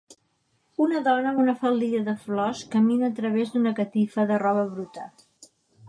Una dona amb una faldilla de flors camina a través d'una catifa de roba bruta